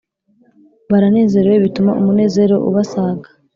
baranezerewe bituma umunezero ubasaga